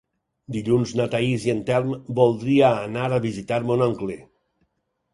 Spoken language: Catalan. Dilluns na Thaís i en Telm voldria anar a visitar mon oncle.